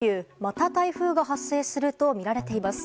明日からの３連休また台風が発生するとみられています。